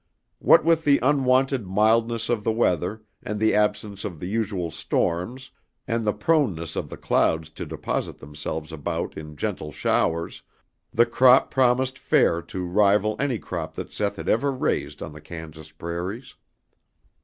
What with the unwonted mildness of the weather and the absence of the usual storms and the proneness of the clouds to deposit themselves about in gentle showers, the crop promised fair to rival any crop that Seth had ever raised on the Kansas prairies.